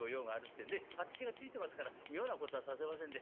ええ私がついてますから妙なことはさせませんで。